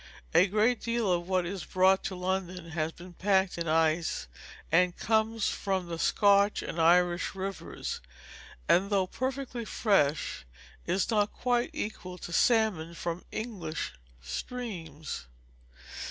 A great deal of what is brought to London has been packed in ice, and comes from the Scotch and Irish rivers, and, though perfectly fresh, is not quite equal to salmon from English streams.